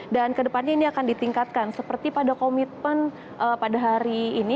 dan kedepannya ini akan ditingkatkan seperti pada komitmen pada hari ini